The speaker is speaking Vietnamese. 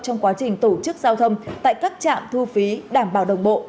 trong quá trình tổ chức giao thông tại các trạm thu phí đảm bảo đồng bộ